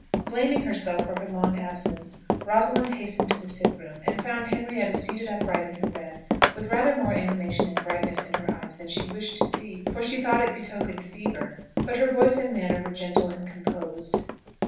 Blaming herself for her long absence, Rosalind hastened to the sick room, and found Henrietta seated upright in her bed, with rather more animation and brightness in her eyes than she wished to see, for she thought it betokened fever; but her voice and manner were gentle and composed.